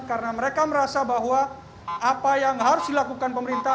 karena mereka merasa bahwa apa yang harus dilakukan pemerintah